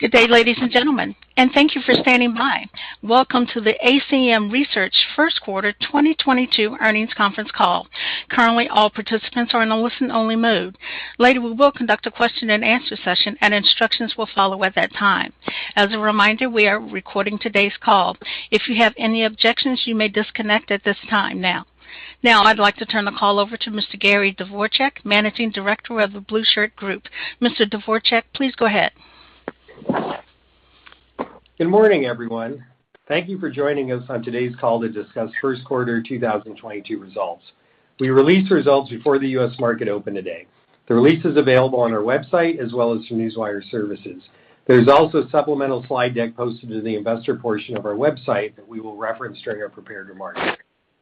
Good day, ladies and gentlemen, and thank you for standing by. Welcome to the ACM Research first quarter 2022 earnings conference call. Currently, all participants are in a listen-only mode. Later, we will conduct a question and answer session, and instructions will follow at that time. As a reminder, we are recording today's call. If you have any objections, you may disconnect at this time. Now I'd like to turn the call over to Mr. Gary Dvorchak, Managing Director of The Blueshirt Group. Mr. Dvorchak, please go ahead. Good morning, everyone. Thank you for joining us on today's call to discuss first quarter 2022 results. We released results before the U.S. market opened today. The release is available on our website as well as through newswire services. There's also a supplemental slide deck posted to the investor portion of our website that we will reference during our prepared remarks.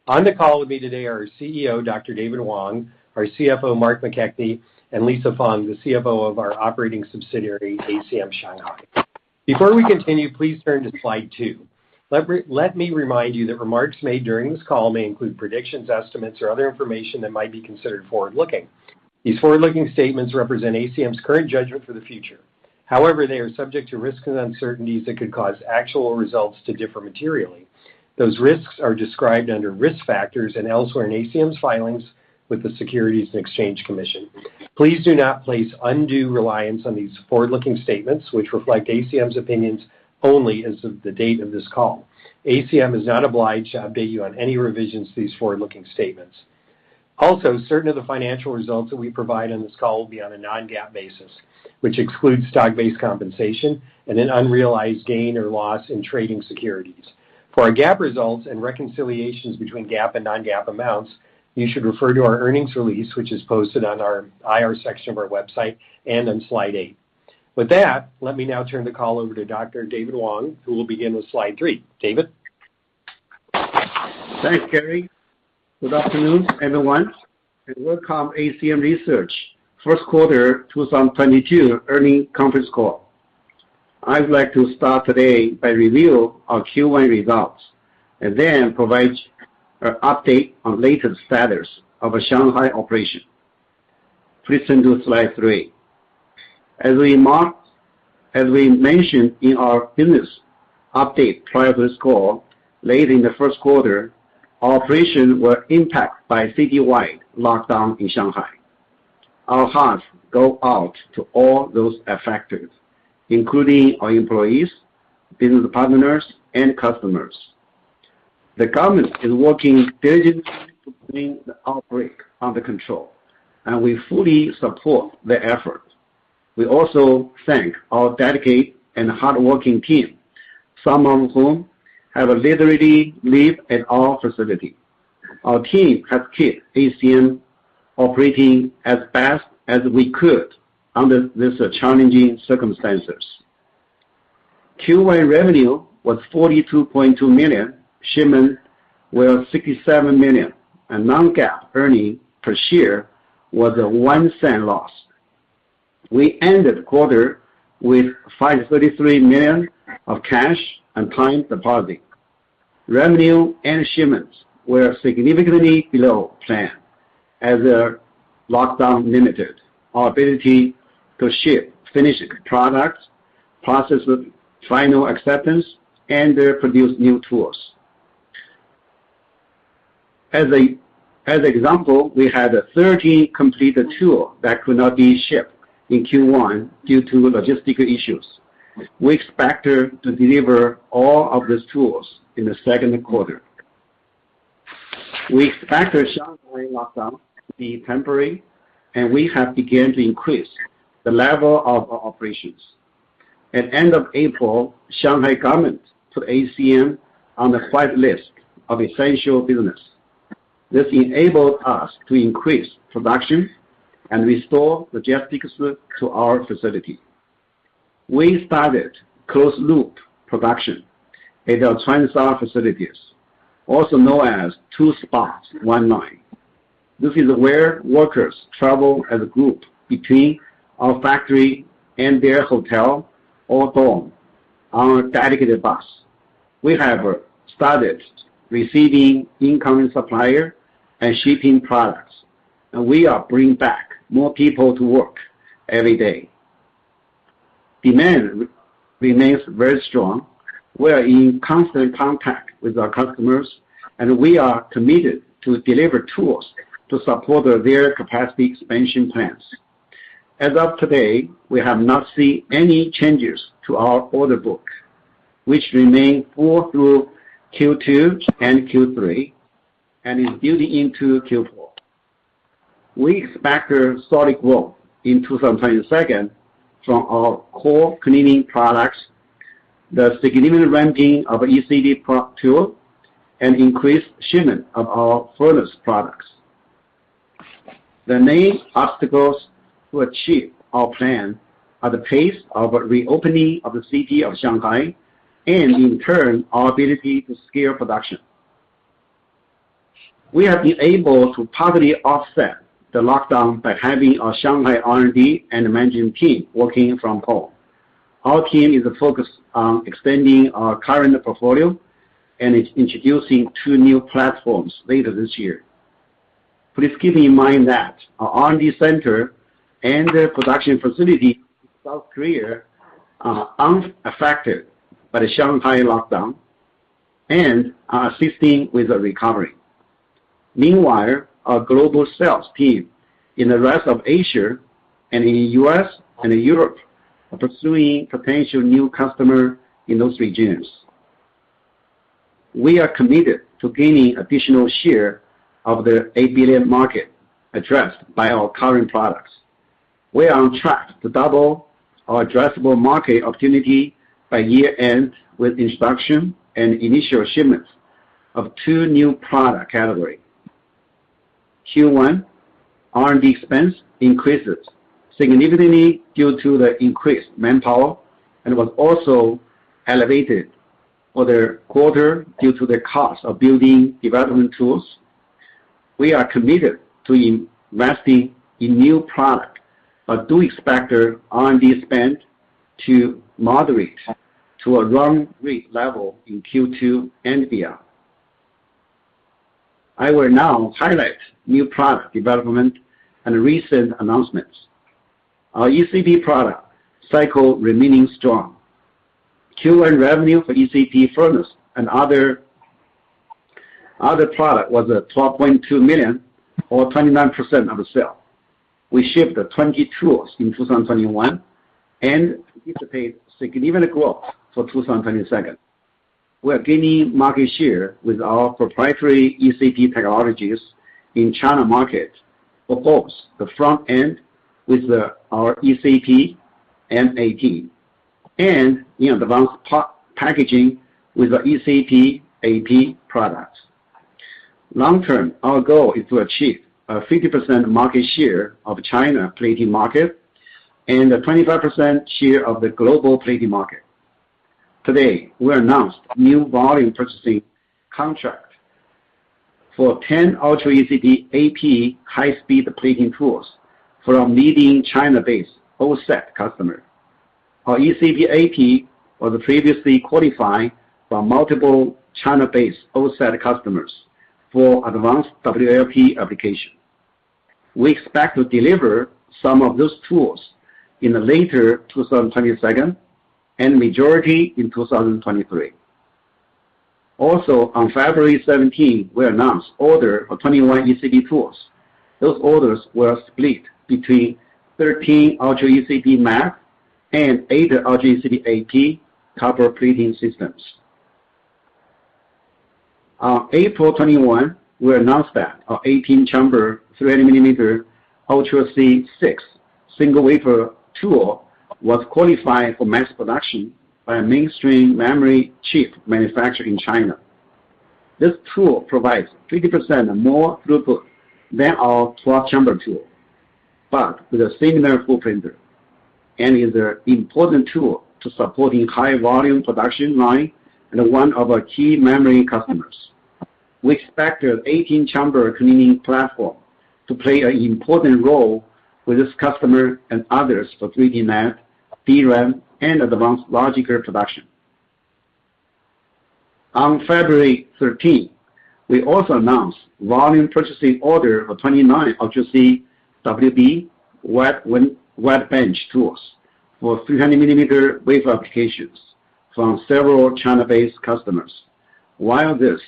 On the call with me today are our CEO, Dr. David Wang, our CFO, Mark McKechnie, and Lisa Feng, the CFO of our operating subsidiary, ACM Shanghai. Before we continue, please turn to slide two. Let me remind you that remarks made during this call may include predictions, estimates, or other information that might be considered forward-looking. These forward-looking statements represent ACM's current judgment for the future. However, they are subject to risks and uncertainties that could cause actual results to differ materially. Those risks are described under Risk Factors and elsewhere in ACM's filings with the Securities and Exchange Commission. Please do not place undue reliance on these forward-looking statements which reflect ACM's opinions only as of the date of this call. ACM is not obliged to update you on any revisions to these forward-looking statements. Also, certain of the financial results that we provide on this call will be on a non-GAAP basis, which excludes stock-based compensation and an unrealized gain or loss in trading securities. For our GAAP results and reconciliations between GAAP and non-GAAP amounts, you should refer to our earnings release, which is posted on our IR section of our website and on slide eight. With that, let me now turn the call over to Dr. David Wang, who will begin with slide three. David? Thanks, Gary. Good afternoon, everyone, and welcome to ACM Research first quarter 2022 earnings conference call. I'd like to start today by reviewing our Q1 results, and then provide an update on latest status of our Shanghai operation. Please turn to slide three. As we mentioned in our business update prior to this call, late in the first quarter, our operations were impacted by a citywide lockdown in Shanghai. Our hearts go out to all those affected, including our employees, business partners, and customers. The government is working diligently to bring the outbreak under control, and we fully support their efforts. We also thank our dedicated and hardworking team, some of whom have literally lived at our facility. Our team has kept ACM operating as best as we could under these challenging circumstances. Q1 revenue was $42.2 million, shipments were $67 million, and non-GAAP earnings per share was a $0.01 loss. We ended the quarter with $533 million of cash and time deposits. Revenue and shipments were significantly below plan as the lockdown limited our ability to ship finished products, process the final acceptance, and produce new tools. As an example, we had 30 completed tools that could not be shipped in Q1 due to logistical issues. We expect to deliver all of these tools in the second quarter. We expect the Shanghai lockdown to be temporary, and we have begun to increase the level of our operations. At end of April, Shanghai government put ACM on the white list of essential businesses. This enabled us to increase production and restore logistics to our facility. We started closed loop production at our Changzhou facilities, also known as two spots one line. This is where workers travel as a group between our factory and their hotel or dorm on a dedicated bus. We have started receiving incoming supplier and shipping products, and we are bringing back more people to work every day. Demand remains very strong. We are in constant contact with our customers, and we are committed to deliver tools to support their capacity expansion plans. As of today, we have not seen any changes to our order book, which remain full through Q2 and Q3, and is building into Q4. We expect solid growth in 2022 from our core cleaning products, the significant ramp of ECP tool, and increased shipment of our furnace products. The main obstacles to achieve our plan are the pace of reopening of the city of Shanghai and in turn, our ability to scale production. We have been able to partly offset the lockdown by having our Shanghai R&D and management team working from home. Our team is focused on expanding our current portfolio and is introducing two new platforms later this year. Please keep in mind that our R&D center and their production facility in South Korea are unaffected by the Shanghai lockdown and are assisting with the recovery. Meanwhile, our global sales team in the rest of Asia and in U.S. and in Europe are pursuing potential new customer in those regions. We are committed to gaining additional share of the $8 billion market addressed by our current products. We are on track to double our addressable market opportunity by year-end with introduction and initial shipments of two new product category. Q1 R&D expense increases significantly due to the increased manpower and was also elevated for the quarter due to the cost of building development tools. We are committed to investing in new product, but do expect our R&D spend to moderate to a run rate level in Q2 and beyond. I will now highlight new product development and recent announcements. Our ECP product cycle remaining strong. Q1 revenue for ECP furnace and other product was at $12.2 million or 29% of the sale. We shipped 20 tools in 2021, and anticipate significant growth for 2022. We are gaining market share with our proprietary ECP technologies in China market for both the front end with our ECP MAP, and in advanced packaging with the ECP AP products. Long term, our goal is to achieve a 50% market share of China plating market, and a 25% share of the global plating market. Today, we announced new volume purchasing contract for 10 Ultra ECP AP high-speed plating tools from leading China-based OSAT customer. Our ECP AP was previously qualified by multiple China-based OSAT customers for advanced WLP application. We expect to deliver some of those tools in the later 2022, and majority in 2023. Also, on February 17, we announced order for 21 ECP tools. Those orders were split between 13 Ultra ECP MAP and 8 Ultra ECP AP copper plating systems. On April 21, we announced that our 18-chamber 300 mm Ultra C SAPS VI single wafer tool was qualified for mass production by a mainstream memory chip manufacturer in China. This tool provides 50% more throughput than our 12-chamber tool, but with a similar footprint and is an important tool for supporting high volume production line and one of our key memory customers. We expect the 18-chamber cleaning platform to play an important role with this customer and others for 3D NAND, DRAM, and advanced logic production. On February 13, we also announced volume purchase order of 29 Ultra C WB wet-in-wet bench tools for 300 mm wafer applications from several China-based customers. While these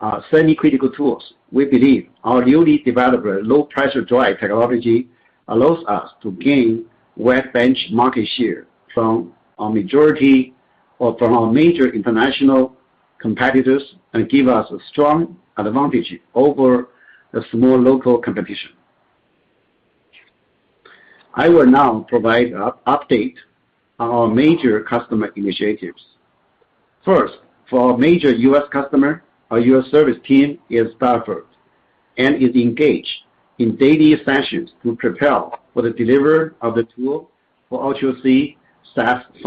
are semi-critical tools, we believe our newly developed low pressure dry technology allows us to gain wet bench market share from a majority or from our major international competitors and give us a strong advantage over the small local competition. I will now provide an update on our major customer initiatives. First, for our major U.S. customer, our U.S. service team is staffed and is engaged in daily sessions to prepare for the delivery of the tool for Ultra C SAPS V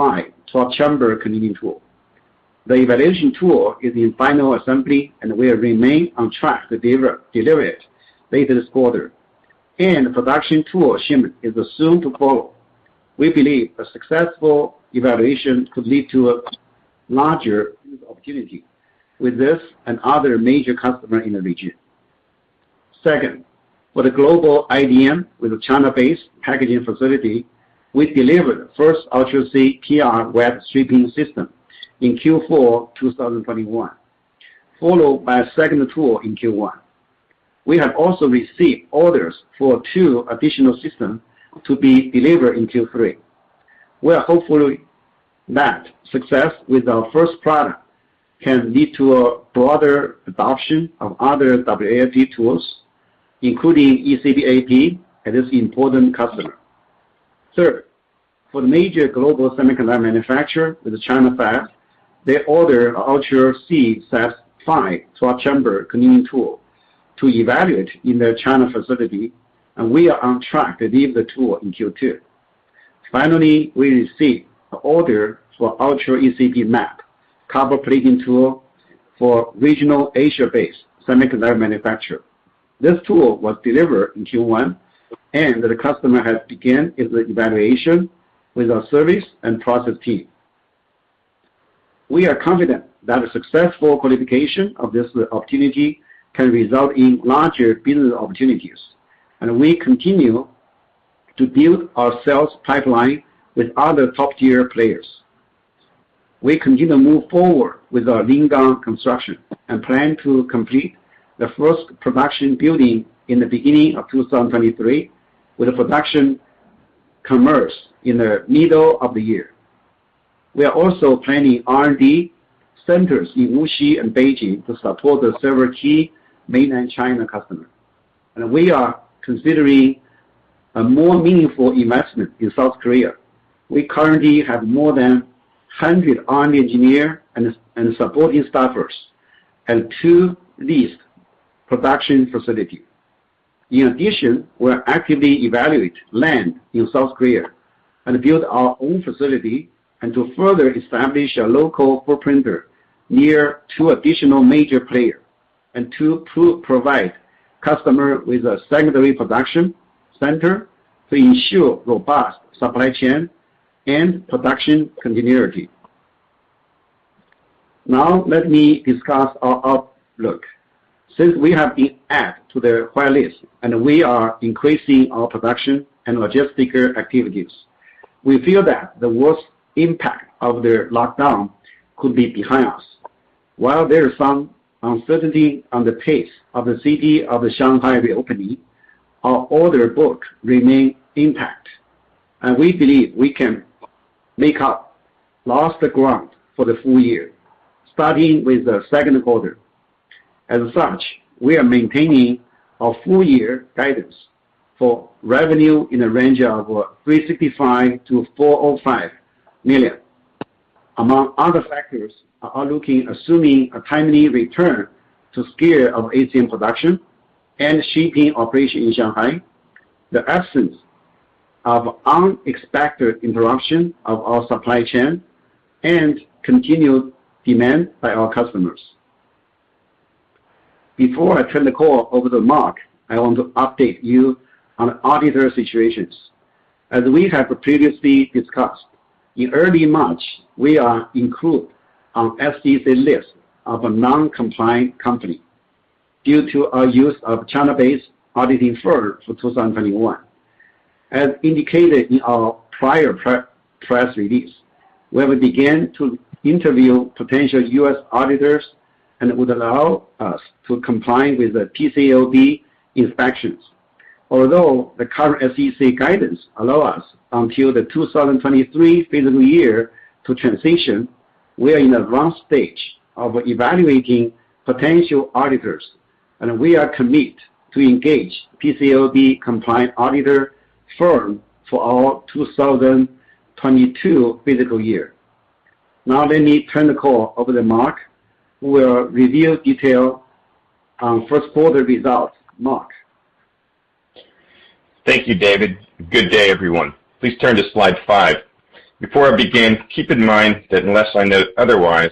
12-chamber cleaning tool. The evaluation tool is in final assembly, and we remain on track to deliver it later this quarter, and production tool shipment is soon to follow. We believe a successful evaluation could lead to a larger opportunity with this and other major customer in the region. Second, for the global IDM with a China-based packaging facility, we delivered first Ultra C PR wet stripping system in Q4 2021, followed by a second tool in Q1. We have also received orders for two additional system to be delivered in Q3. We are hopeful that success with our first product can lead to a broader adoption of other WLP tools, including ECP ap at this important customer. Third, for the major global semiconductor manufacturer with a China fab, they order Ultra C SAPS V 12-chamber cleaning tool to evaluate in their China facility, and we are on track to deliver the tool in Q2. Finally, we received a order for Ultra ECP map copper plating tool for regional Asia-based semiconductor manufacturer. This tool was delivered in Q1, and the customer has begun his evaluation with our service and process team. We are confident that a successful qualification of this opportunity can result in larger business opportunities, and we continue to build our sales pipeline with other top-tier players. We continue to move forward with our Ningbo construction, and plan to complete the first production building in the beginning of 2023, with the production commence in the middle of the year. We are also planning R&D centers in Wuxi and Beijing to support the several key mainland China customers. We are considering a more meaningful investment in South Korea. We currently have more than 100 R&D engineers and supporting staffers and two leased production facilities. In addition, we're actively evaluate land in South Korea and build our own facility and to further establish a local footprint near two additional major player, and to provide customer with a secondary production center to ensure robust supply chain and production continuity. Now let me discuss our outlook. Since we have been added to their white list, and we are increasing our production and logistical activities, we feel that the worst impact of the lockdown could be behind us. While there is some uncertainty on the pace of the city of Shanghai reopening, our order book remain intact, and we believe we can make up lost ground for the full year, starting with the second quarter. As such, we are maintaining our full year guidance for revenue in the range of $365 million-$405 million. Among other factors, we're assuming a timely return to scale of ACM production and shipping operation in Shanghai, the absence of unexpected interruption of our supply chain, and continued demand by our customers. Before I turn the call over to Mark, I want to update you on auditor situations. As we have previously discussed, in early March, we were included on SEC list of a non-compliant company due to our use of China-based auditing firm for 2021. As indicated in our prior press release, we have begun to interview potential U.S. auditors and it would allow us to comply with the PCAOB inspections. Although the current SEC guidance allows us until the 2023 fiscal year to transition, we are in the advanced stage of evaluating potential auditors, and we are committed to engage PCAOB compliant auditor firm for our 2022 fiscal year. Now let me turn the call over to Mark, who will reveal detail on first quarter results. Mark. Thank you, David. Good day, everyone. Please turn to slide five. Before I begin, keep in mind that unless I note otherwise,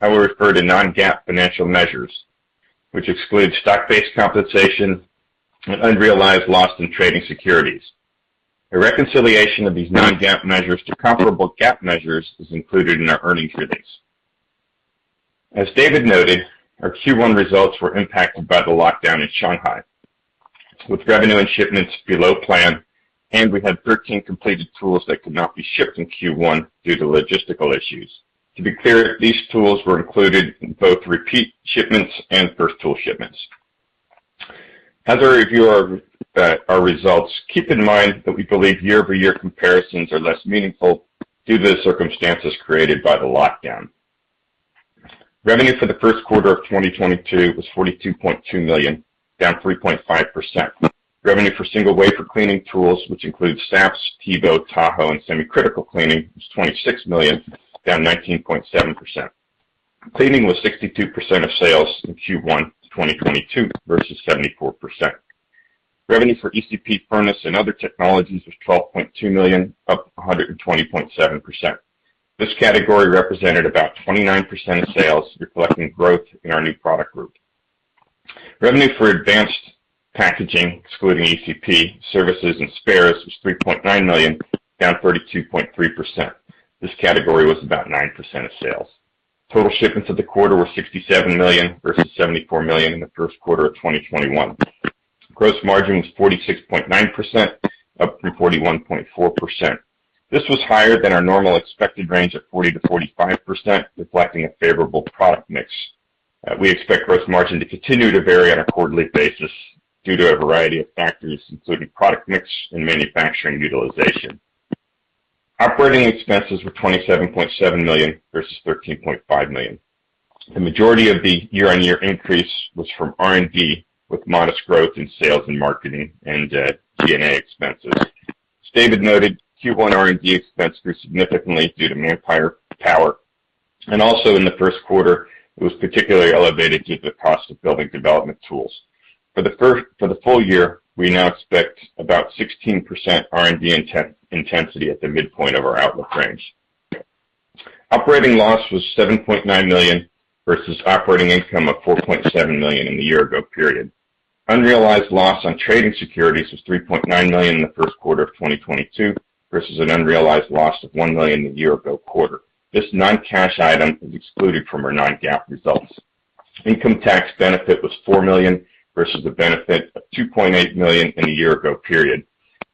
I will refer to non-GAAP financial measures, which excludes stock-based compensation and unrealized loss in trading securities. A reconciliation of these non-GAAP measures to comparable GAAP measures is included in our earnings release. As David noted, our Q1 results were impacted by the lockdown in Shanghai, with revenue and shipments below plan, and we had 13 completed tools that could not be shipped in Q1 due to logistical issues. To be clear, these tools were included in both repeat shipments and first tool shipments. As I review our results, keep in mind that we believe year-over-year comparisons are less meaningful due to the circumstances created by the lockdown. Revenue for the first quarter of 2022 was $42.2 million, down 3.5%. Revenue for single wafer cleaning tools, which includes SAPS, TEBO, Tahoe, and supercritical cleaning, was $26 million, down 19.7%. Cleaning was 62% of sales in Q1 2022 versus 74%. Revenue for ECP furnace and other technologies was $12.2 million, up 120.7%. This category represented about 29% of sales, reflecting growth in our new product group. Revenue for advanced packaging, excluding ECP, services and spares was $3.9 million, down 32.3%. This category was about 9% of sales. Total shipments of the quarter were $67 million versus $74 million in the first quarter of 2021. Gross margin was 46.9%, up from 41.4%. This was higher than our normal expected range of 40%-45%, reflecting a favorable product mix. We expect gross margin to continue to vary on a quarterly basis due to a variety of factors, including product mix and manufacturing utilization. Operating expenses were $27.7 million versus $13.5 million. The majority of the year-on-year increase was from R&D, with modest growth in sales and marketing and G&A expenses. As David noted, Q1 R&D expense grew significantly due to higher personnel, and also in the first quarter, it was particularly elevated due to the cost of building development tools. For the full year, we now expect about 16% R&D intensity at the midpoint of our outlook range. Operating loss was $7.9 million versus operating income of $4.7 million in the year-ago period. Unrealized loss on trading securities was $3.9 million in the first quarter of 2022, versus an unrealized loss of $1 million a year ago quarter. This non-cash item is excluded from our non-GAAP results. Income tax benefit was $4 million versus the benefit of $2.8 million in a year-ago period.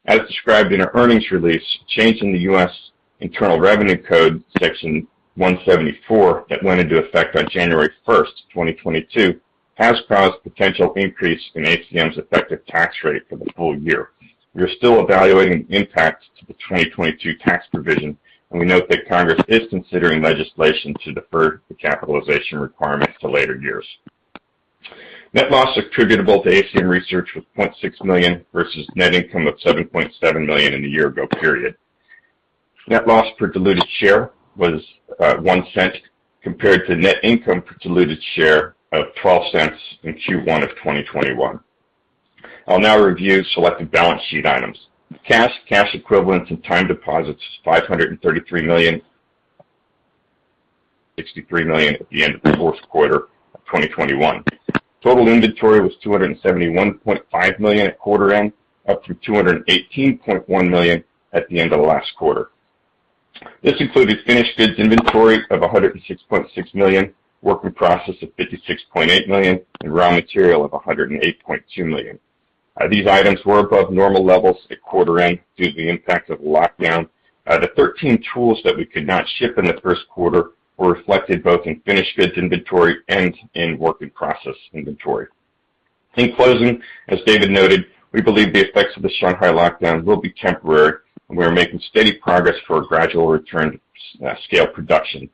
As described in our earnings release, change in the U.S. Internal Revenue Code Section 174 that went into effect on January 1st, 2022, has caused potential increase in ACM's effective tax rate for the full year. We are still evaluating the impact to the 2022 tax provision, and we note that Congress is considering legislation to defer the capitalization requirement to later years. Net loss attributable to ACM Research was $0.6 million versus net income of $7.7 million in the year ago period. Net loss per diluted share was one cent compared to net income per diluted share of $0.12 in Q1 of 2021. I'll now review selected balance sheet items. Cash, cash equivalents and time deposits is $533 million, $63 million at the end of the fourth quarter of 2021. Total inventory was $271.5 million at quarter end, up from $218.1 million at the end of the last quarter. This included finished goods inventory of $106.6 million, work in process of $56.8 million, and raw material of $108.2 million. These items were above normal levels at quarter end due to the impact of lockdown. The 13 tools that we could not ship in the first quarter were reflected both in finished goods inventory and in work in process inventory. In closing, as David noted, we believe the effects of the Shanghai lockdown will be temporary, and we are making steady progress for a gradual return to small-scale production.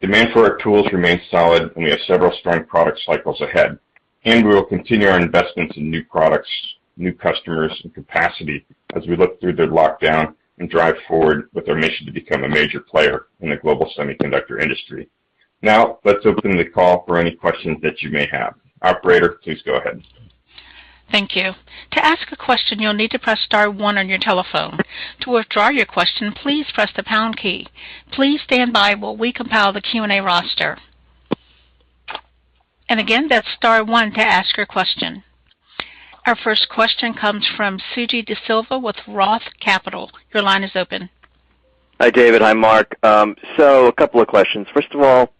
Demand for our tools remains solid, and we have several strong product cycles ahead. We will continue our investments in new products, new customers and capacity as we look through the lockdown and drive forward with our mission to become a major player in the global semiconductor industry. Now, let's open the call for any questions that you may have. Operator, please go ahead. Thank you. To ask a question, you'll need to press star one on your telephone. To withdraw your question, please press the pound key. Please stand by while we compile the Q&A roster. Again, that's star one to ask your question. Our first question comes from Suji Desilva with Roth Capital. Your line is open. Hi, David. Hi, Mark. A couple of questions. First of all,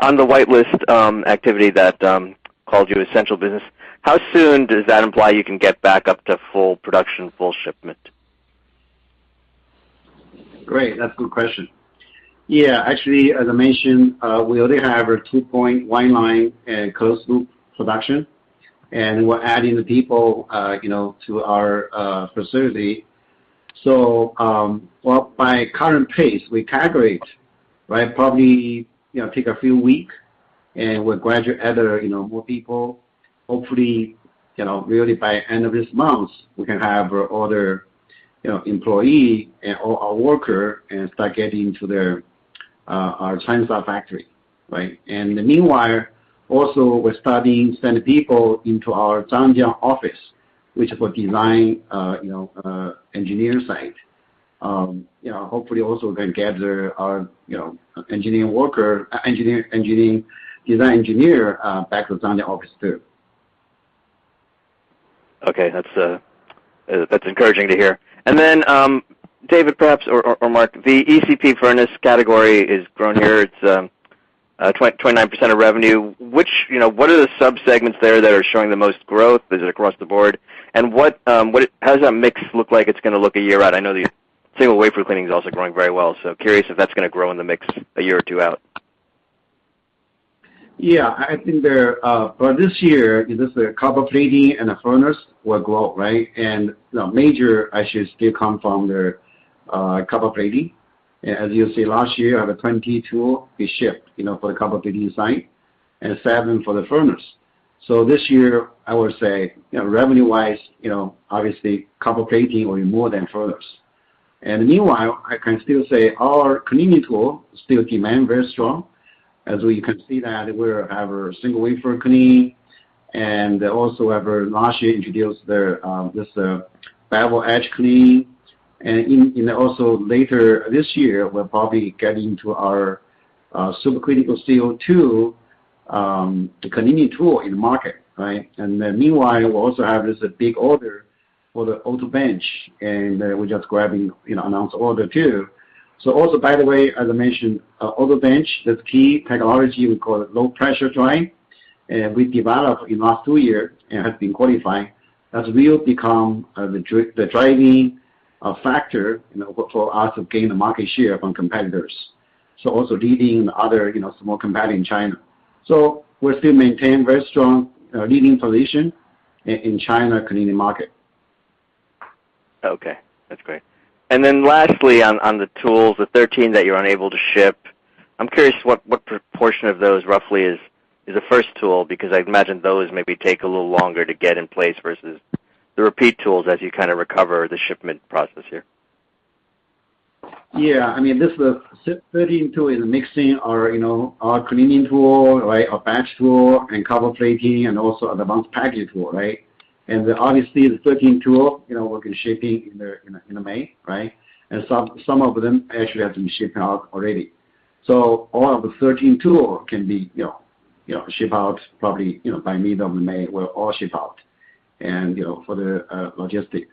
on the white list activity that called you essential business, how soon does that imply you can get back up to full production, full shipment? Great. That's a good question. Yeah, actually, as I mentioned, we already have our two points one line and closed loop production, and we're adding the people, you know, to our facility. Well, at current pace, we calculate, right, probably, you know, take a few weeks, and we'll gradually add more people. Hopefully, you know, really by end of this month, we can have our other, you know, employee or worker and start getting them to our Zhangjiang factory, right? Meanwhile, also we're starting to send people into our Zhangjiang office, which is for design, you know, engineering site. You know, hopefully also we can gather our, you know, engineering worker, engineering design engineer, back to Zhangjiang office too. Okay. That's encouraging to hear. Then, David, perhaps, or Mark, the ECP furnace category is growing here. It's 29% of revenue. You know, what are the subsegments there that are showing the most growth? Is it across the board? How does that mix look like it's gonna look a year out? I know the single wafer cleaning is also growing very well, so curious if that's gonna grow in the mix a year or two out. Yeah. I think there for this year, this is the copper plating and the furnace will grow, right? The major actually still come from the copper plating. As you see last year, out of 20 tools we shipped, you know, for the copper plating side and seven for the furnace. This year, I would say, you know, revenue-wise, you know, obviously copper plating will be more than furnace. Meanwhile, I can still say our cleaning tool still demand very strong. As you can see that we have a single wafer clean and also have last year introduced the bevel edge clean. Also later this year, we'll probably get into our supercritical CO2 the cleaning tool in the market, right? Meanwhile, we also have this big order for the AutoBench, and we just got, you know, another order too. By the way, as I mentioned, AutoBench, that's key technology we call low pressure drying, and we developed in last two year and has been qualified. That will become the driving factor, you know, for us to gain the market share from competitors. Also leading the other, you know, small competitor in China. We still maintain very strong leading position in China cleaning market. Okay, that's great. Lastly, on the tools, the 13 that you're unable to ship, I'm curious what proportion of those roughly is a first tool because I imagine those maybe take a little longer to get in place versus the repeat tools as you kind of recover the shipment process here. Yeah. I mean, this is a 13 tool is mixing our, you know, our cleaning tool, right, our batch tool and copper plating and also advanced package tool, right? Obviously, the 13 tool, you know, will be shipping in May, right? Some of them actually have been shipping out already. All of the 13 tool can be, you know, ship out probably, you know, by middle of May, will all ship out and, you know, for the logistics.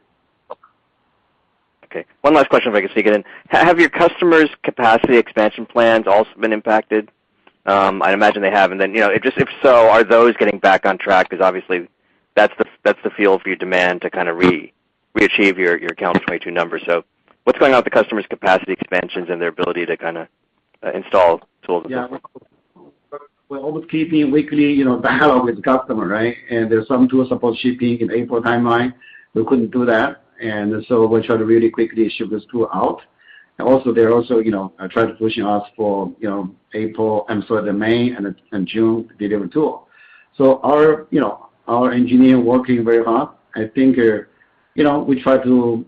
Okay. One last question if I can sneak it in. Have your customers capacity expansion plans also been impacted? I'd imagine they have. You know, if just if so, are those getting back on track? Because obviously, that's the fuel for your demand to kinda re-achieve your calendar 2022 numbers. What's going on with the customers capacity expansions and their ability to kinda install tools. Yeah. We're always keeping weekly, you know, dialogue with customer, right? There's some tools supposed to ship in April timeline. We couldn't do that. We try to really quickly ship this tool out. Also, they're also, you know, trying to push us for, you know, April, and so the May and June delivery tool. Our, you know, our engineer working very hard. I think, you know, we try to,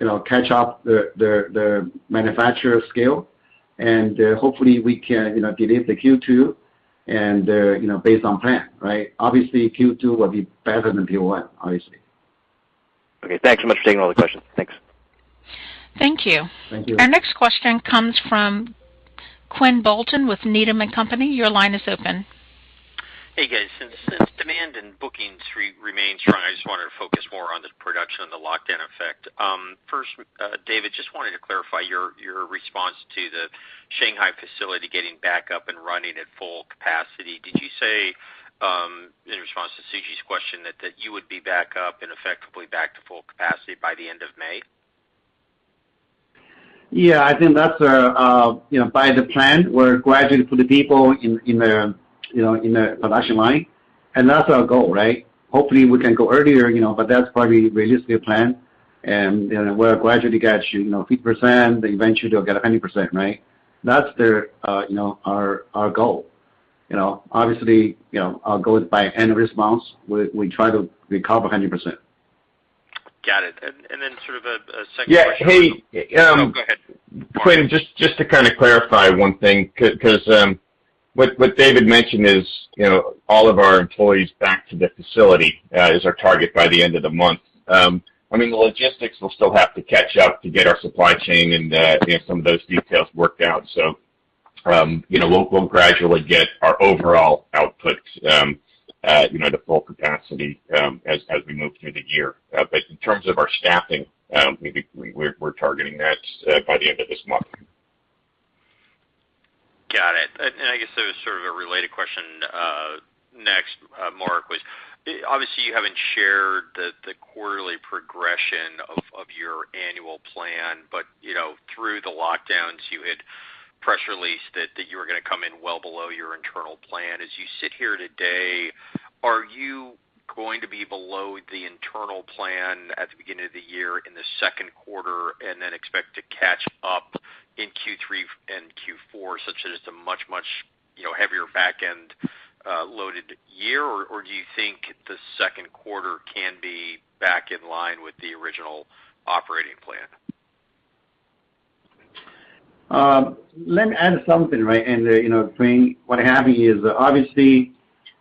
you know, catch up the manufacturing scale, and hopefully we can, you know, deliver in Q2 and, you know, based on plan, right? Obviously, Q2 will be better than Q1, obviously. Okay. Thanks so much for taking all the questions. Thanks. Thank you. Thank you. Our next question comes from Quinn Bolton with Needham & Company. Your line is open. Hey, guys. Since demand and bookings remain strong, I just wanted to focus more on the production and the lockdown effect. First, David, just wanted to clarify your response to the Shanghai facility getting back up and running at full capacity. Did you say, in response to Suji's question that you would be back up and effectively back to full capacity by the end of May? Yeah, I think that's, you know, by the plan, we're gradually put the people in the production line, and that's our goal, right? Hopefully, we can go earlier, you know, but that's probably realistic plan. We'll gradually get to, you know, 50%, then eventually they'll get 100%, right? That's, you know, our goal. You know, obviously, you know, our goal is by end of this month. We try to recover 100%. Got it. Sort of a second question. Yeah. Oh, go ahead. Quinn, just to kinda clarify one thing because what David mentioned is, you know, all of our employees back to the facility is our target by the end of the month. I mean, the logistics will still have to catch up to get our supply chain and, you know, some of those details worked out. You know, we'll gradually get our overall output, you know, to full capacity as we move through the year. In terms of our staffing, we're targeting that by the end of this month. Got it. I guess it was sort of a related question, next, Mark was, obviously you haven't shared the quarterly progression of your annual plan, but you know, through the lockdowns, you had press released that you were gonna come in well below your internal plan. As you sit here today, are you going to be below the internal plan at the beginning of the year in the second quarter and then expect to catch up in Q3 and Q4 such that it's a much, you know, heavier back-end loaded year, or do you think the second quarter can be back in line with the original operating plan? Let me add something, right? You know, Quinn, what happened is obviously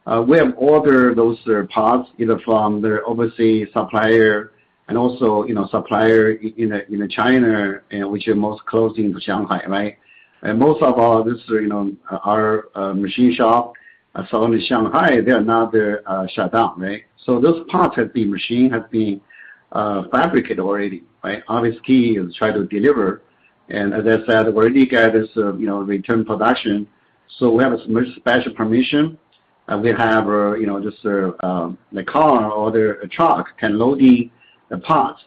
we have ordered those parts, either from the overseas supplier and also, you know, suppliers in China, and which are closest to Shanghai, right? Most of all this, you know, our machine shop in Shanghai, they are now shut down, right? Those parts have been machined, fabricated already, right? Obviously, try to deliver. As I said, we already got this, you know, return production. We have a special permission, and we have, you know, just a car or the truck can load the parts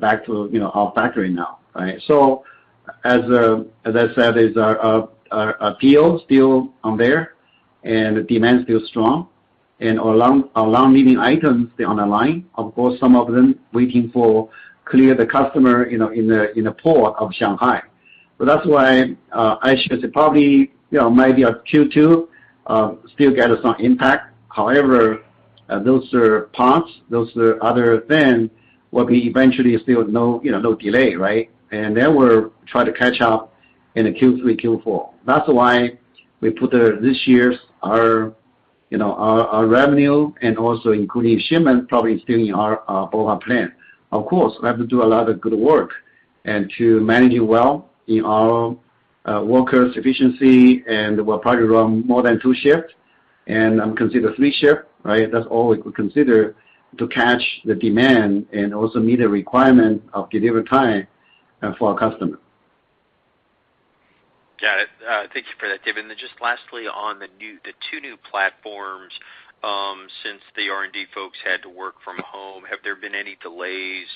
back to, you know, our factory now, right? As I said, is our appeal still on there and demand still strong and our long-lead items, they're on the line. Of course, some of them waiting for clearance to the customer in the port of Shanghai. That's why I should say probably maybe at Q2 still get some impact. However, those parts, those other thing will be eventually still no delay, right? We'll try to catch up in the Q3, Q4. That's why we put this year's our revenue and also including shipment, probably still in our overall plan. Of course, we have to do a lot of good work and to manage it well in our workers' efficiency, and we'll probably run more than two shifts, and consider three shift, right? That's all we could consider to catch the demand and also meet the requirement of delivery time for our customer. Got it. Thank you for that, David. Just lastly, on the two new platforms, since the R&D folks had to work from home, have there been any delays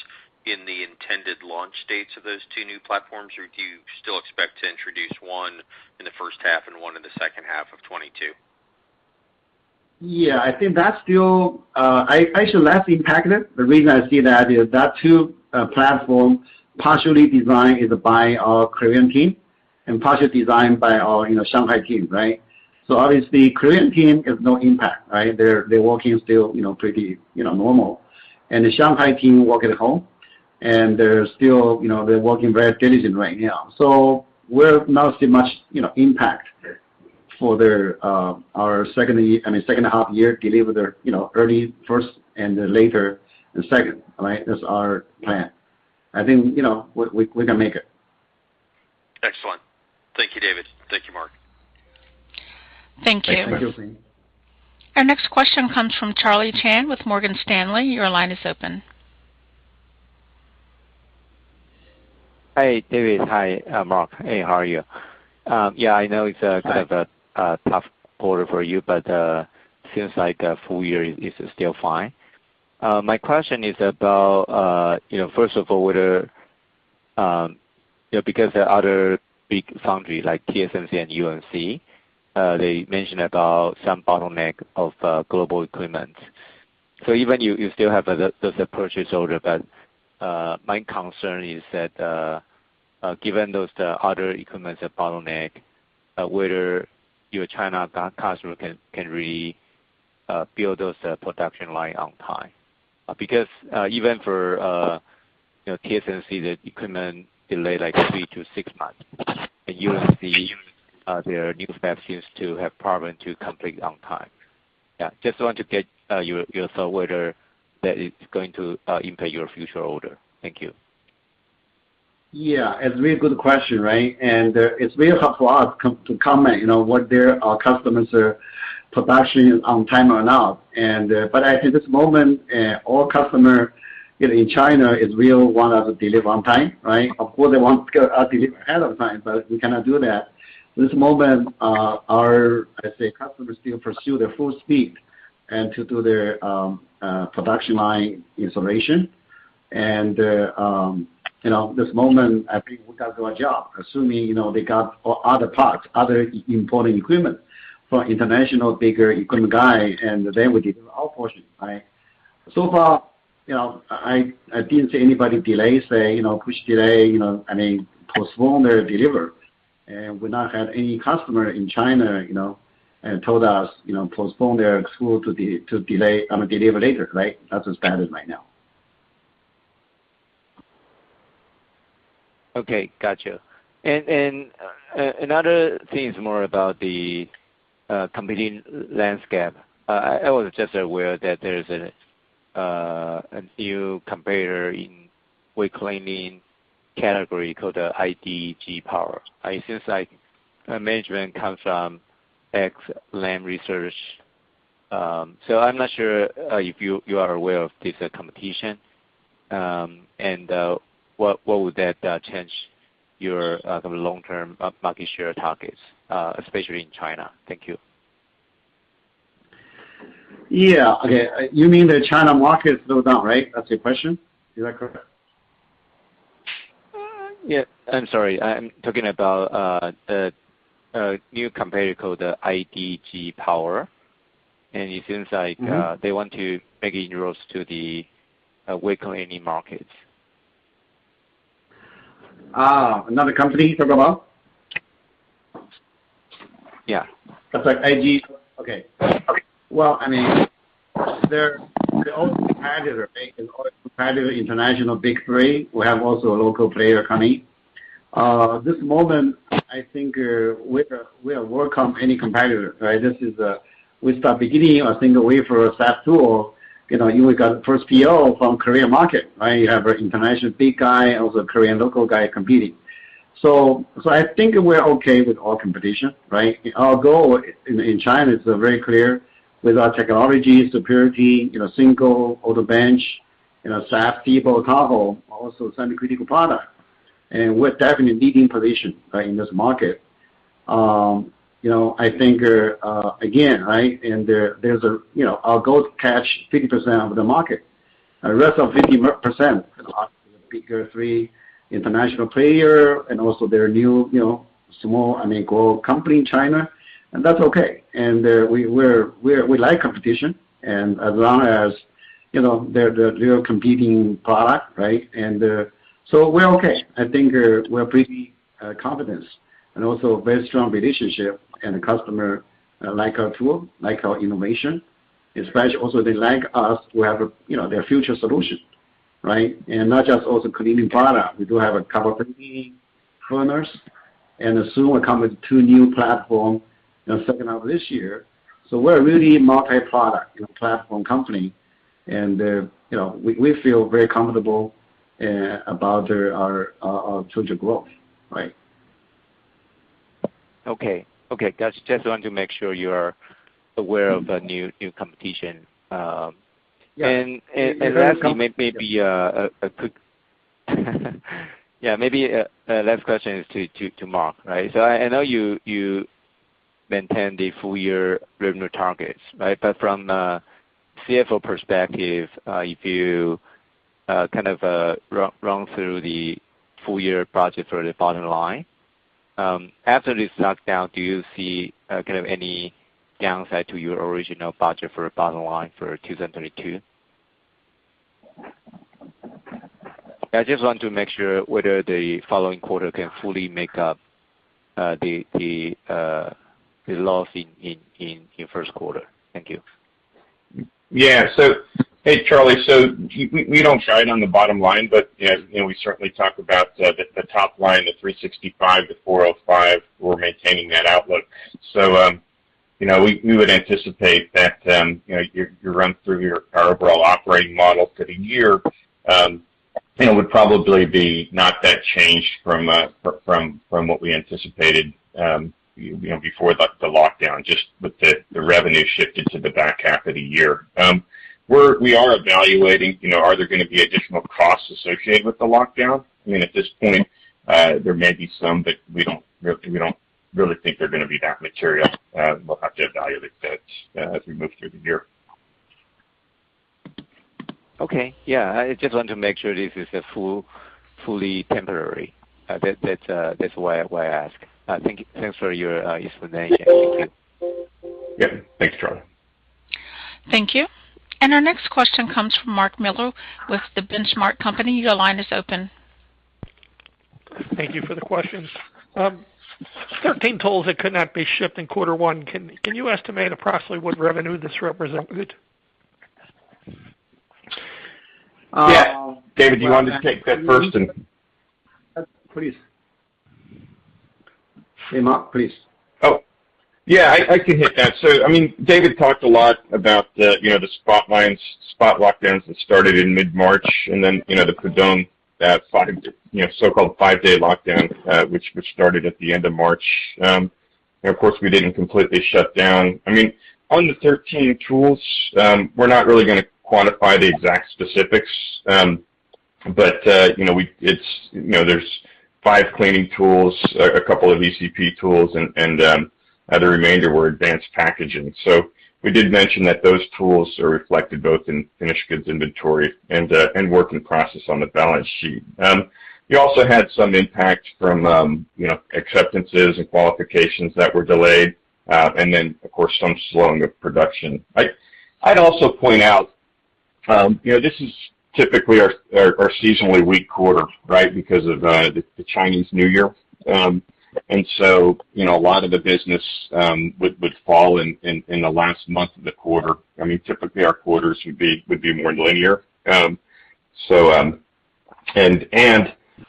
in the intended launch dates of those two new platforms, or do you still expect to introduce one in the first half and one in the second half of 2022? Yeah. I think that's still actually less impacted. The reason I say that is that platform partially designed is by our Korean team and partially designed by our, you know, Shanghai team, right? Obviously, Korean team has no impact, right? They're working still, you know, pretty, you know, normal. The Shanghai team working at home, and they're still, you know, working very diligently right now. We're not seeing much, you know, impact. For our second year, I mean, second half year deliveries, you know, early first and then later the second, right? That's our plan. I think, you know, we can make it. Excellent. Thank you, David. Thank you, Mark. Thank you. Thank you. Thank you. Our next question comes from Charlie Chan with Morgan Stanley. Your line is open. Hi, David. Hi, Mark. Hey, how are you? Yeah, I know it's. Hi. Kind of a tough quarter for you, but seems like full year is still fine. My question is about, you know, first of all, whether, you know, because the other big foundry, like TSMC and UMC, they mentioned about some bottleneck of global equipment. Even you still have the purchase order, but my concern is that, given those, the other equipment have bottleneck, whether your China customer can really build those production line on time. Because even for, you know, TSMC, the equipment delay like three to six months. UMC, their new fab seems to have problem to complete on time. Yeah. Just want to get your thought whether that is going to impact your future order. Thank you. Yeah. It's a very good question, right? It's very hard for us to comment, you know, whether our customers' production is on time or not. I think this moment, all customers, you know, in China really want us to deliver on time, right? Of course, they want us to deliver ahead of time, but we cannot do that. This moment, our, I say, customers still pursue their full speed and to do their production line installation. You know, this moment, I think we can do our job, assuming, you know, they got other parts, other important equipment from international bigger equipment guy, and then we deliver our portion, right? So far, you know, I didn't see anybody delay, say, you know, push delay, you know, I mean, postpone their delivery. We've not had any customer in China, you know, told us, you know, postpone their schedule to delay the delivery later, right? That's the status right now. Okay. Gotcha. Another thing is more about the competing landscape. I was just aware that there's a new competitor in wet cleaning category called IDG Power. It seems like management comes from ex Lam Research. I'm not sure if you are aware of this competition, and what would that change your kind of long-term of market share targets, especially in China. Thank you. Yeah. Okay. You mean the China market slow down, right? That's your question? Is that correct? Yeah. I'm sorry. I'm talking about a new competitor called IDG Power, and it seems like. Mm-hmm. They want to make inroads to the wet cleaning market. Another company you're talking about? Yeah. Well, I mean, they're all competitors, they can all compete international big three. We have also a local player coming. At this moment, I think, we welcome any competitor, right? This is, we started beginning a single-wafer SAPS tool. You know, we got first PO from Korean market, right? You have an international big guy, also Korean local guy competing. I think we're okay with all competition, right? Our goal in China is very clear. With our technology superiority, you know, single-wafer wet bench, you know, SAPS megasonic, also supercritical product. We're definitely leading position, right, in this market. You know, our goal to catch 50% of the market. The rest of 50%, big three international players and also their new, you know, small, I mean, growing companies in China. That's okay. We like competition and as long as, you know, they're competing products, right? We're okay. I think we're pretty confident and also very strong relationship with the customer like our tools, like our innovation, especially also they like us, we have a, you know, our future solution, right? Not just also cleaning products. We do have a couple cleaning tools, and soon we come with two new platforms, you know, second half of this year. We're really multi-product, you know, platform company. We feel very comfortable about our future growth, right? Okay. Got you. Just want to make sure you are aware of the new competition. Yeah. Lastly, maybe a quick yeah, maybe the last question is to Mark, right? I know you maintain the full year revenue targets, right? From a CFO perspective, if you kind of run through the full year budget for the bottom line, after this lockdown, do you see kind of any downside to your original budget for bottom line for 2022? I just want to make sure whether the following quarter can fully make up the loss in first quarter. Thank you. Hey, Charlie, we don't guide on the bottom line, but, you know, we certainly talk about the top line, the $365 million-$405 million, we're maintaining that outlook. You know, we would anticipate that, you know, our overall operating model for the year, you know, would probably be not that changed from what we anticipated, you know, before the lockdown, just with the revenue shifted to the back half of the year. We are evaluating, you know, are there gonna be additional costs associated with the lockdown? I mean, at this point, there may be some, but we don't really think they're gonna be that material. We'll have to evaluate that, as we move through the year. Okay. Yeah. I just want to make sure this is fully temporary. That's why I ask. Thanks for your explanation. Yep. Thanks, Charlie. Thank you. Our next question comes from Mark Miller with The Benchmark Company. Your line is open. Thank you for the questions. 13 tools that could not be shipped in quarter one, can you estimate approximately what revenue this represented? Yes. David, do you want me to take that first and- Please. Hey, Mark, please. Oh, yeah. I can hit that. I mean, David talked a lot about the spot lockdowns that started in mid-March, and then the Pudong five-day lockdown, which was started at the end of March. Of course, we didn't completely shut down. I mean, on the 13 tools, we're not really gonna quantify the exact specifics. But you know, it's you know, there's five cleaning tools, a couple of ECP tools and the remainder were advanced packaging. So we did mention that those tools are reflected both in finished goods inventory and work in process on the balance sheet. You also had some impact from you know, acceptances and qualifications that were delayed, of course, some slowing of production. I'd also point out, you know, this is typically our seasonally weak quarter, right? Because of the Chinese New Year. You know, a lot of the business would fall in the last month of the quarter. I mean, typically our quarters would be more linear.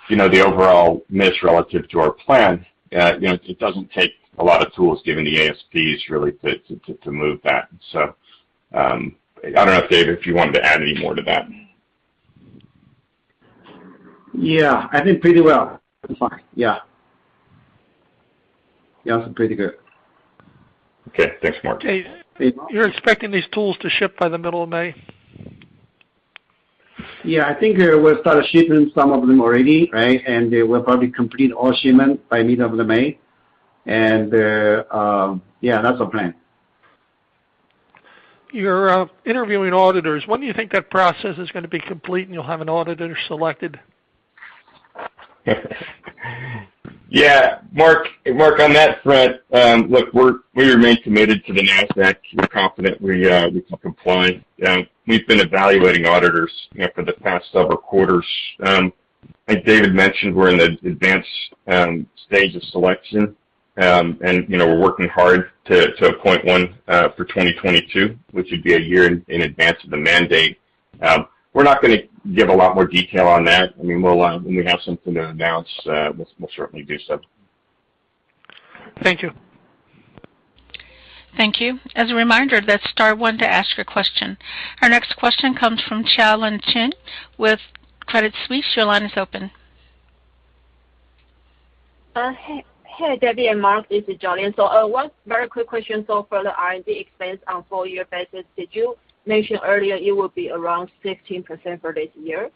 You know, the overall miss relative to our plan, you know, it doesn't take a lot of tools given the ASPs really to move that. I don't know, David, if you wanted to add any more to that. Yeah, I think pretty well. I'm fine. Yeah. Yeah. It's pretty good. Okay. Thanks, Mark. You're expecting these tools to ship by the middle of May? Yeah. I think we'll start shipping some of them already, right? We'll probably complete all shipment by middle of the May. Yeah, that's our plan. You're interviewing auditors. When do you think that process is gonna be complete, and you'll have an auditor selected? Yeah. Mark, on that front, look, we remain committed to the Nasdaq. We're confident we can comply. We've been evaluating auditors, you know, for the past several quarters. As David mentioned, we're in the advanced stage of selection. You know, we're working hard to appoint one for 2022, which would be a year in advance of the mandate. We're not gonna give a lot more detail on that. I mean, when we have something to announce, we'll certainly do so. Thank you. Thank you. As a reminder, that's star one to ask your question. Our next question comes from Jolin Chen with Credit Suisse. Your line is open. Hey, David and Mark. This is Jolin. One very quick question. For the R&D expense on full-year basis, did you mention earlier it will be around 16% for this year?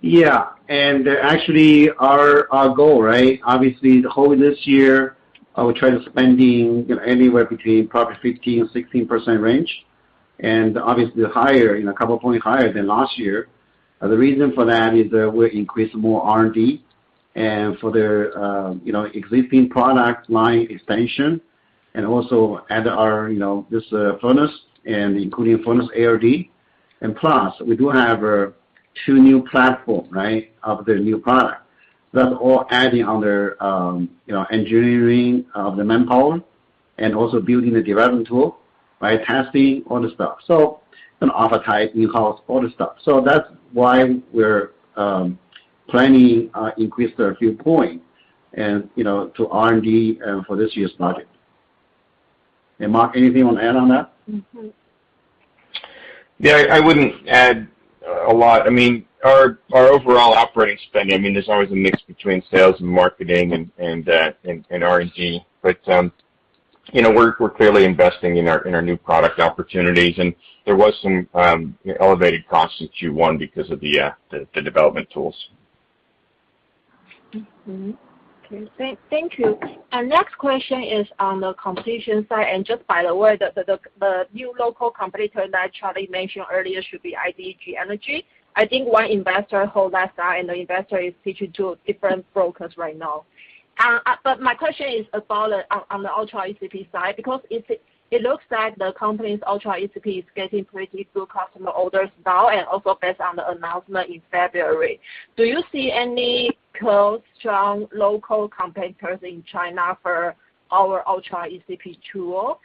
Yeah. Actually our goal, right? Obviously the whole of this year, we're trying to spend, you know, anywhere between probably 15%-16% range. Obviously higher, you know, a couple points higher than last year. The reason for that is that we're increasing more R&D and for the, you know, existing product line expansion and also add our, you know, this, furnace and including furnace R&D. Plus, we do have two new platform, right? Of the new product. That's all adding to their, you know, engineering and the manpower and also building the development tool, right? Testing, all the stuff. So and R&D, in-house, all the stuff. That's why we're planning to increase a few points and, you know, to R&D for this year's budget. Mark, anything you wanna add on that? Mm-hmm. Yeah, I wouldn't add a lot. I mean, our overall operating spending. I mean, there's always a mix between sales and marketing and R&D. You know, we're clearly investing in our new product opportunities, and there was some, you know, elevated costs Q1 because of the development tools. Thank you. Next question is on the competition side. Just by the way, the new local competitor that Charlie mentioned earlier should be IDG Energy. I think one investor holds that side, and the investor is pitching to different brokers right now. My question is about the Ultra ECP side, because it looks like the company's Ultra ECP is getting pretty good traction with customer orders now and also based on the announcement in February. Do you see any close, strong local competitors in China for our Ultra ECP tool?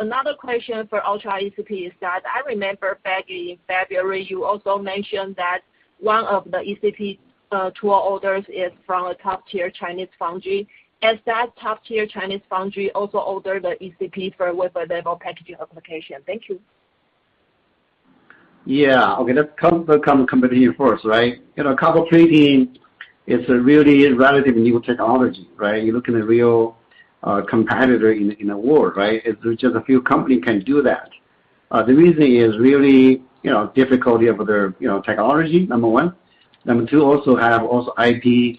Another question for Ultra ECP is that I remember back in February, you also mentioned that one of the ECP tool orders is from a top-tier Chinese foundry. Has that top-tier Chinese foundry also ordered the ECP for wafer level packaging application? Thank you. Okay, let's company first, right? You know, copper plating is a really relatively new technology, right? You're looking at real competitor in the world, right? It's just a few company can do that. The reason is really, you know, difficulty of their technology, number one. Number two, also have IP,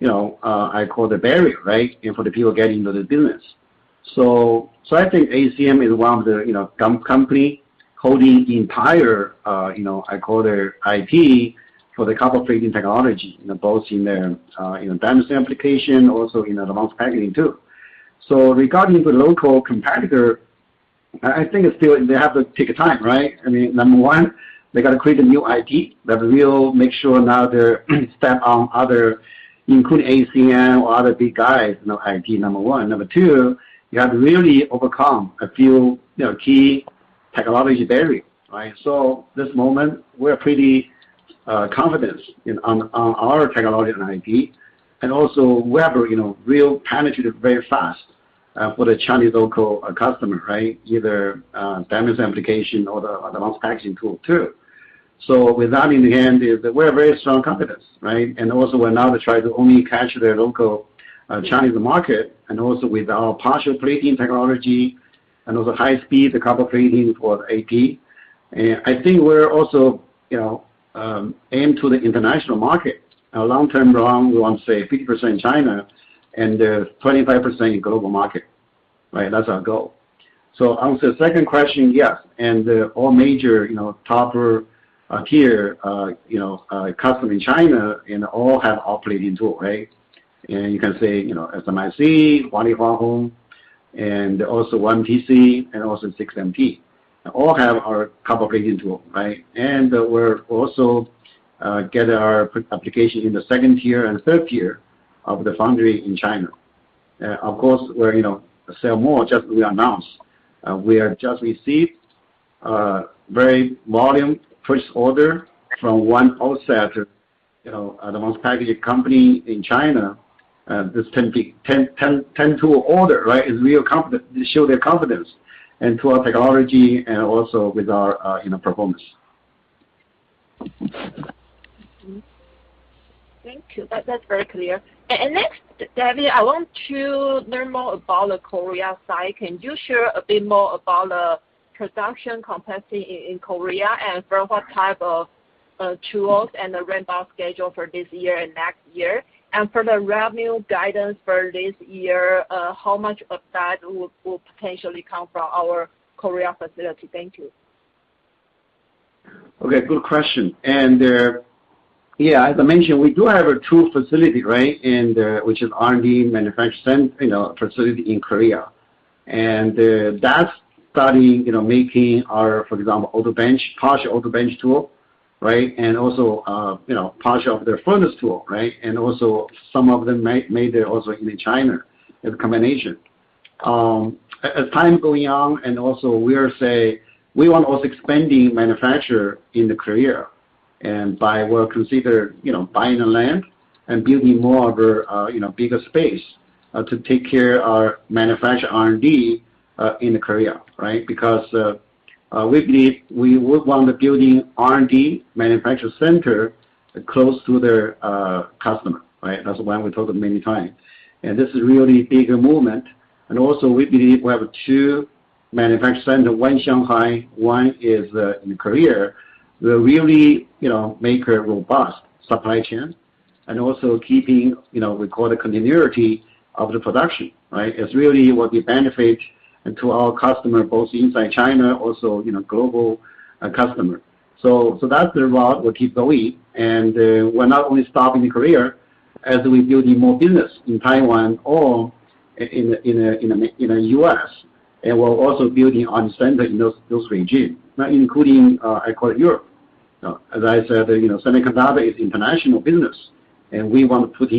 you know, I call the barrier, right? And for the people getting into the business. I think ACM is one of the company holding the entire IP for the copper plating technology, you know, both in their dual damascene application, also in advanced packaging too. Regarding the local competitor, I think it's still they have to take a time, right? I mean, number one, they gotta create a new IP that will make sure now they're stand out from others, including ACM or other big guys, you know, IP number one. Number two, you have to really overcome a few, you know, key technology barrier, right? At this moment, we're pretty confident in our technology and IP. We have, you know, really penetrated very fast for the Chinese local customer, right? Either dual-damascene application or the advanced packaging tool too. With that in hand, we're very strong confidence, right? We're now trying to only capture the local Chinese market and also with our partial plating technology and also high speed, the copper plating for AP. I think we're also, you know, aim to the international market. Our long-term run, we want to say 50% China and 25% global market, right? That's our goal. On to the second question, yes. All major, you know, top tier customers in China all have operating tools, right? You can say, you know, SMIC, Hua Hong and also YMTC and also CXMT. All have our copper plating tool, right? We're also get our application in the second tier and third tier of the foundry in China. Of course, we're, you know, sell more, just we announced, we are just received very volume first order from one OSAT, you know, advanced packaging company in China. This 10-tool order, right? Is real confident. They show their confidence in our technology and also with our, you know, performance. Mm-hmm. Thank you. That, that's very clear. Next, David, I want to learn more about the Korea side. Can you share a bit more about the production capacity in Korea and for what type of tools and the ramp-up schedule for this year and next year? For the revenue guidance for this year, how much of that will potentially come from our Korea facility? Thank you. Okay, good question. Yeah, as I mentioned, we do have a tool facility, right? In the R&D manufacturing, you know, facility in Korea. That's starting, you know, making our, for example, wet bench, partial wet bench tool, right? Also, part of the furnace tool, right? Also some of them made there also in China as a combination. As time going on also we are saying we want also expanding manufacturing in Korea. We are considering, you know, buying a land and building more of our, bigger space, to take care of our manufacturing R&D, in Korea, right? Because we believe we would want to building R&D manufacturing center close to the customer, right? That's why we told them many times. This is really bigger movement. We believe we have two manufacturing centers, one in Shanghai, one in Korea. We're really, you know, making a robust supply chain and also keeping, you know, what we call the continuity of the production, right? It's really what we benefit to our customers, both inside China, also, you know, global customers. That's the route we'll keep going. We're not only stopping in Korea as we're building more business in Taiwan or in the U.S. We're also building a center in those regions, now including what I call Europe. You know, as I said, you know, semiconductor is international business, and we want to put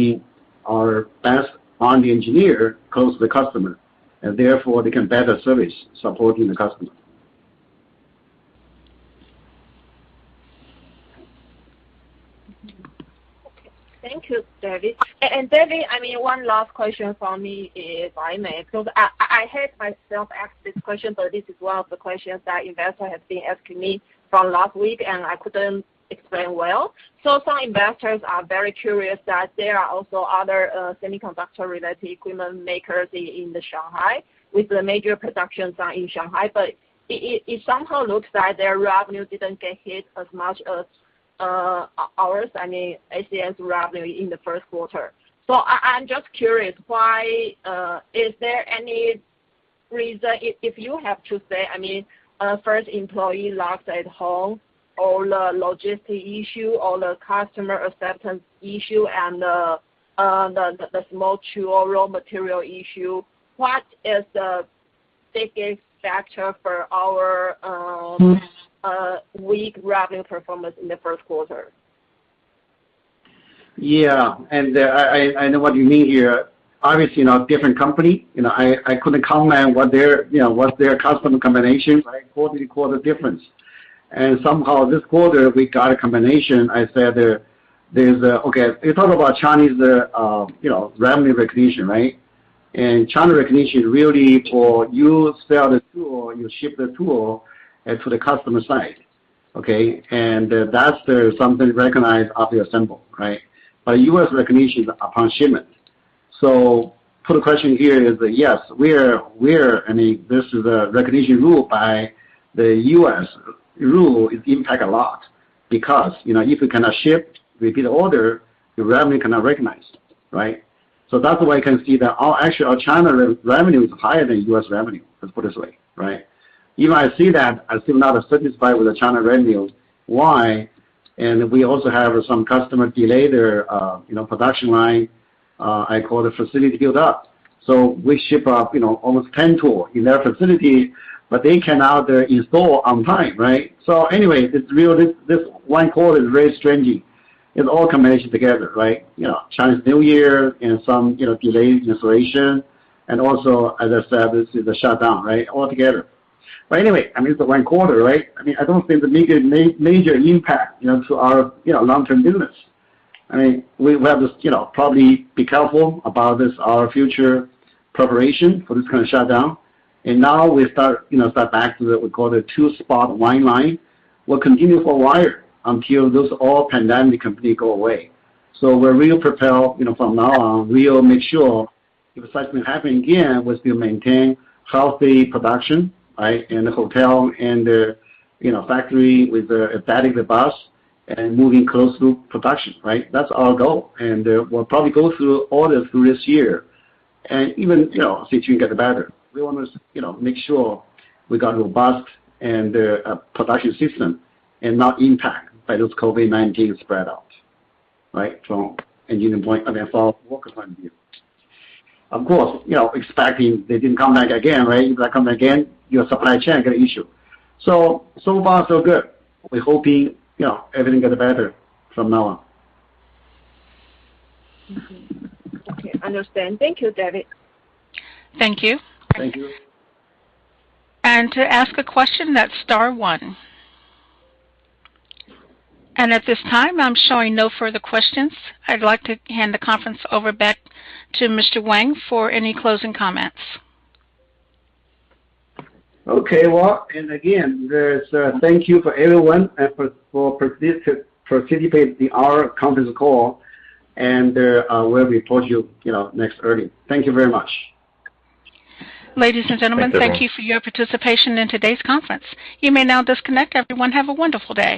our best R&D engineers close to the customer, and therefore they can better serve and support the customer. Okay. Thank you, David. And David, I mean, one last question for me, if I may, because I hate to ask this question, but this is one of the questions that investor has been asking me from last week, and I couldn't explain well. Some investors are very curious that there are also other semiconductor related equipment makers in Shanghai with the major productions are in Shanghai. But it somehow looks like their revenue didn't get hit as much as ours, I mean, ACM revenue in the first quarter. I'm just curious, why is there any reason, if you have to say, I mean, first employee locked at home or the logistic issue or the customer acceptance issue and the material, raw material issue, what is the biggest factor for our. Hmm. Weak revenue performance in the first quarter? Yeah. I know what you mean here. Obviously, you know, different company. You know, I couldn't comment what their customer combination is, right? Quarter-to-quarter difference. Somehow this quarter we got a combination. Okay, you talk about Chinese revenue recognition, right? China recognition really when you sell the tool, you ship the tool to the customer site. Okay? That's something recognized off the assembly, right? But U.S. recognition upon shipment. For the question here is, yes, we're -- I mean, this is a recognition rule by the U.S. rule that impacts a lot because, you know, if you cannot ship repeat order, your revenue cannot recognize, right? That's why you can see that our—actually, our China revenue is higher than U.S. revenue, let's put it this way, right? Even if I see that, I'm still not satisfied with the China revenue. Why? We also have some customers delay their production line. I call it facility build-up. We ship out almost 10 tools in their facility, but they cannot install on time, right? Anyway, this one quarter is very strange. It all combined together, right? Chinese New Year and some delayed installation. Also, as I said, this is a shutdown, right? All together. Anyway, I mean, it's the one quarter, right? I mean, I don't think the major impact to our long-term business. I mean, we have this, you know, probably be careful about this, our future preparation for this kind of shutdown. Now we start, you know, start back to the, we call it two points one line. We'll continue for a while until this whole pandemic completely go away. We're really prepare, you know, from now on, we'll make sure if something happen again, we still maintain healthy production, right? In the hotel and the, you know, factory with a shuttle bus and moving close to production, right? That's our goal. We'll probably go through all this through this year. Even, you know, see if we can get better. We wanna, you know, make sure we got robust and production system and not impact by this COVID-19 spread out, right? From engineering point, I mean, from work point of view. Of course, you know, expecting they didn't come back again, right? If they come back again, your supply chain got issue. So far so good. We're hoping, you know, everything get better from now on. Okay. Understand. Thank you, David. Thank you. Thank you. To ask a question, that's star one. At this time, I'm showing no further questions. I'd like to hand the conference over back to Mr. Wang for any closing comments. Okay. Well, thank you to everyone for participating in our conference call, and we'll report to you know, next earnings. Thank you very much. Ladies and gentlemen. Thank you, everyone. Thank you for your participation in today's conference. You may now disconnect. Everyone, have a wonderful day.